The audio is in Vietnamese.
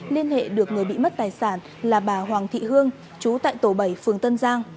liên hệ được người bị mất tài sản là bà hoàng thị hương chú tại tổ bảy phường tân giang